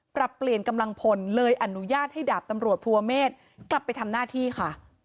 ปรับเปลี่ยนกำลังพลเลยอนุญาตให้ดาบตำรวจภูเมฆกลับไปทำหน้าที่ค่ะ